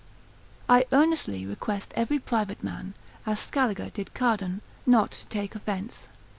I earnestly request every private man, as Scaliger did Cardan, not to take offence.